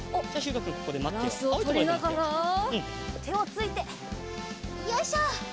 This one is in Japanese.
バランスをとりながらてをついてよいしょ。